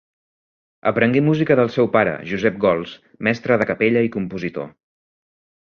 Aprengué música del seu pare, Josep Gols, mestre de capella i compositor.